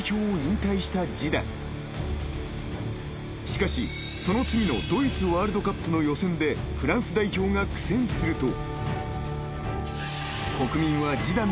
［しかしその次のドイツワールドカップの予選でフランス代表が苦戦すると］